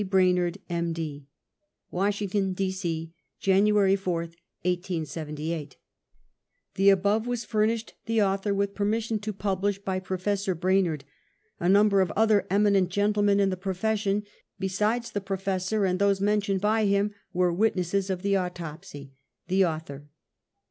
BRAmERD, M. D. W ashington, D. C, January 4, 1878. [The above was furnished the author with permis ;sion to publish, by Prof. Brainerd. A number of other eminent gentlemen in the profession, besides the professor, and those mentioned by him, were witnesses of the autopsy. — The Author.